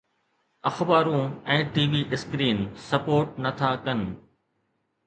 اخبارون ۽ T V screen support نٿا ڪن